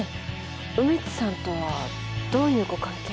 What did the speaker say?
梅津さんとはどういうご関係？